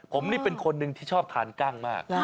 ผมนี่เป็นคนหนึ่งที่ชอบทานกั้งมาก